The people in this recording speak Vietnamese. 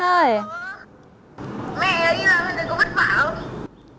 mẹ đi ra mình thấy có mất bảo không